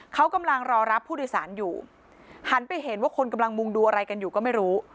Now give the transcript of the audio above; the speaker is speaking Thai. เขากำลังรอรับผู้โดยสารอยู่หันไปเห็นว่าคนกำลังมุ่งดูอะไรกันอยู่ก็ไม่รู้